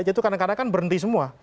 itu kadang kadang kan berhenti semua